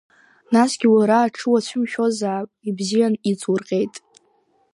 Насгьы уара аҽы уацәымшәозаап, ибзиан иҵурҟьеит.